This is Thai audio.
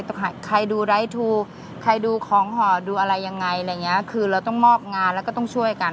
ใครดูไร้ทูใครดูของห่อดูอะไรยังไงอะไรอย่างเงี้ยคือเราต้องมอบงานแล้วก็ต้องช่วยกัน